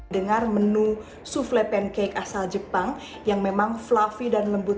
dengar menu souffle pancake asal jepang yang memang fluffy dan lembut